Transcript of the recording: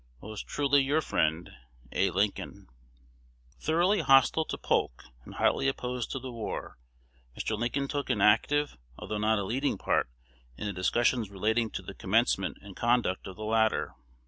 Most truly your friend, A. Lincoln. Thoroughly hostile to Polk, and hotly opposed to the war, Mr. Lincoln took an active, although not a leading part in the discussions relating to the commencement and conduct of the latter.